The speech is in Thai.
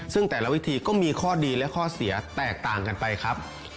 ซึ่งแต่ละวิธีก็มีข้อดีและข้อเสียแตกต่างกันไปครับ